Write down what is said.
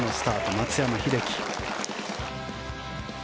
松山英樹。